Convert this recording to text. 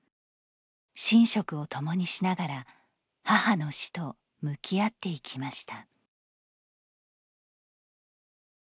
寝食を共にしながら母の死と向き合っていきました。